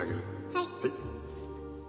はい